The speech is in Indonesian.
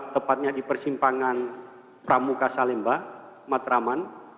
tepatnya di persimpangan pramuka salemba matraman